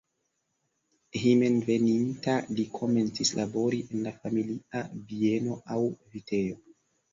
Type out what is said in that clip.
Hejmenveninta li komencis labori en la familia bieno aŭ vitejo.